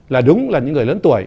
là đúng là những người lớn tuổi